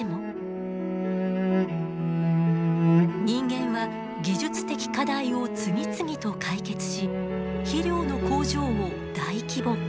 人間は技術的課題を次々と解決し肥料の工場を大規模化。